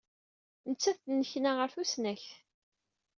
Nettat tennekna ɣer tusnakt.